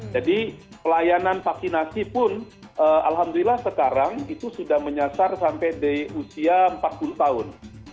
jadi pelayanan vaksinasi pun alhamdulillah sekarang itu sudah menyasar sampai di usia empat puluh tahun